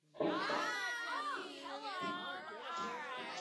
科代布龙德。